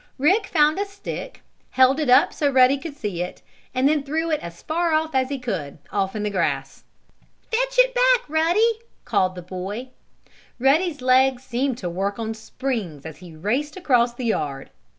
Rick found a stick, held it up so Ruddy could see it, and then threw it as far as he could, off in the grass. "Hi! Fetch it back, Ruddy!" called the boy. Ruddy's legs seemed to work on springs as he raced across the yard.